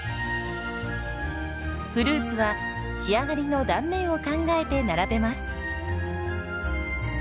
フルーツは仕上がりの断面を考えて並べます。